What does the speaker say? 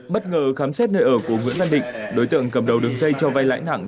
bất ngờ khám xét nơi ở của nguyễn văn định đối tượng cầm đầu đứng dây cho vai lãnh nặng